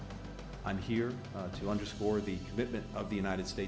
saya disini untuk mencerminkan keinginan amerika serikat